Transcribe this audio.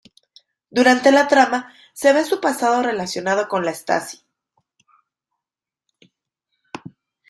Durante la trama se ve su pasado relacionado con la Stasi.